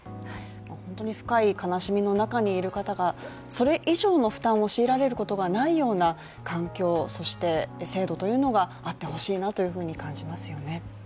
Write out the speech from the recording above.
深い悲しみの中にいる方が、それ以上の負担を強いられることのないような環境、そして制度というのがあってほしいなと感じますよね。